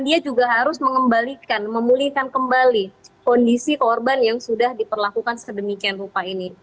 dia juga harus mengembalikan memulihkan kembali kondisi korban yang sudah diperlakukan sedemikian rupa ini